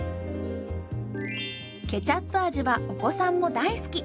ケチャップ味はお子さんも大好き！